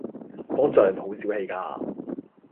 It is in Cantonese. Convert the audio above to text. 方丈好小氣架